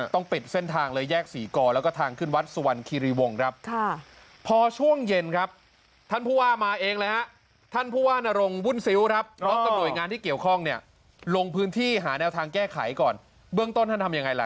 ต้องปิดเส้นทางเลยแยกสี่กรแล้วก็ทางขึ้นวัดสวรรค์คิรีวงครับ